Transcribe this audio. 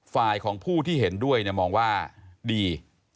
ไฟล์ของผู้ที่เห็นด้วยเนี่ยมองว่าดี